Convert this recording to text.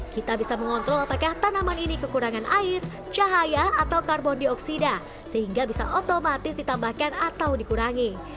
kita bisa mengontrol apakah tanaman ini kekurangan air cahaya atau karbon dioksida sehingga bisa otomatis ditambahkan atau dikurangi